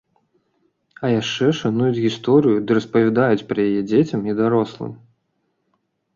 А яшчэ шануюць гісторыю ды распавядаюць пра яе дзецям і дарослым.